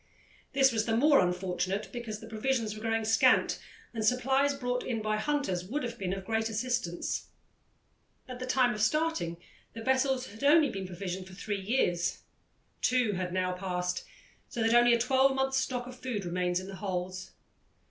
This was the more unfortunate because the provisions were growing scant, and supplies brought in by hunters would have been of great assistance. At the time of starting, the vessels had only been provisioned for three years. Two had now passed, so that only a twelvemonth's stock of food remained in the holds.